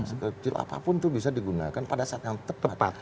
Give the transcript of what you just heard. sekecil apapun itu bisa digunakan pada saat yang tepat